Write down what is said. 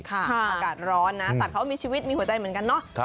อากาศร้อนนะสัตว์เขามีชีวิตมีหัวใจเหมือนกันเนาะ